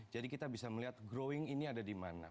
jadi kita bisa melihat growing ini ada di mana